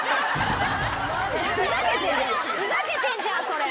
ふざけてんじゃんそれ！